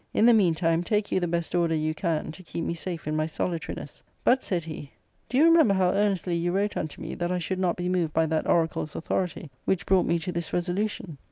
In the meantime, take you the best order you can to keep me safe in my solitariness. But," said he, " do you remember how earnestly you wrote unto me that I should not be. moved by that oracle's authority, which brought me to this resolution